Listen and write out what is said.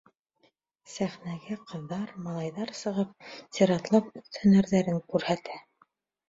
Сәхнәгә ҡыҙҙар, малайҙар сығып, сиратлап үҙ һөнәрҙәрен күрһәтә.